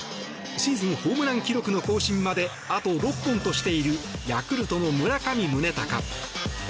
シーズンホームラン記録の更新まで、あと６本としているヤクルトの村上宗隆。